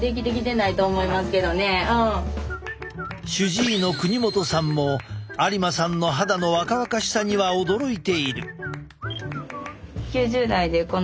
主治医の国本さんも有馬さんの肌の若々しさには驚いている。